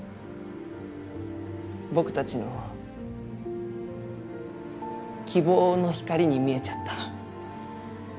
僕たちの希望の光に見えちゃった。